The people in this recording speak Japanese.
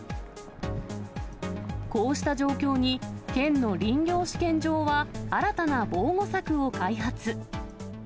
こうした状況に、県の林業試験場は新たな防護柵を開発。